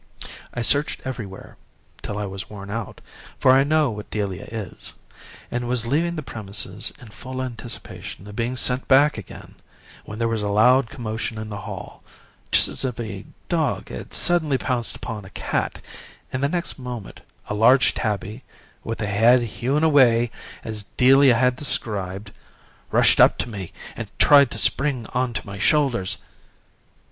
I searched everywhere till I was worn out, for I know what Delia is and was leaving the premises in full anticipation of being sent back again, when there was a loud commotion in the hall, just as if a dog had suddenly pounced on a cat, and the next moment a large tabby, with the head hewn away as Delia had described, rushed up to me and tried to spring on to my shoulders.